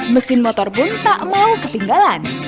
mesin motor pun tak mau ketinggalan